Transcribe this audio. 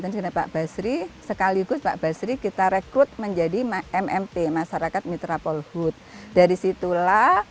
dan sempat basri sekaligus pak basri kita rekrut menjadi mmp masyarakat mitra polhut dari situlah